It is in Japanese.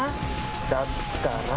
だったら。